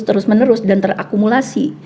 terus menerus dan terakumulasi